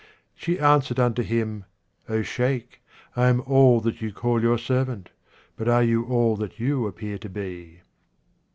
She answered unto him, " O Sheikh, I am all that you call your servant, but are you all you appear to be